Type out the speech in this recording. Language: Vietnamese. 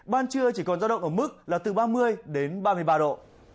mức là từ ba mươi đến ba mươi ba độ